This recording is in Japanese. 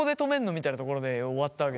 みたいなところで終わったわけですよ。